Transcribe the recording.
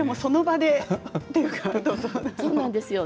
そうなんですよ。